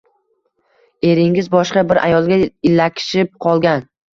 Eringiz boshqa bir ayolga ilakishib qolgan